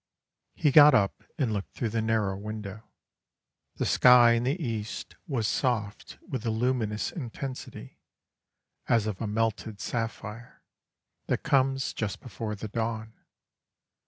He got up and looked through the narrow window. The sky in the East was soft with that luminous intensity, as of a melted sapphire, that comes just before the dawn.